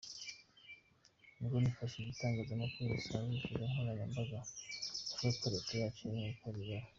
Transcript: Ubwo nifashishije itangazamakuru risanzwe n’imbuga nkoranyambaga mvuga ko Leta yacu yarimo gukora ibara.